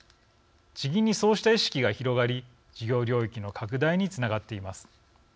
地銀にそうした意識が広がり事業領域の拡大につながっています。